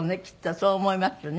そう思いますね。